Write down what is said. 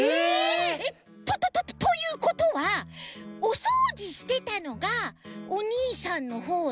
えっとととということはおそうじしてたのがおにいさんのほうで。